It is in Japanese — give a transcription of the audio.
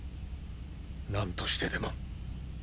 何としてでも。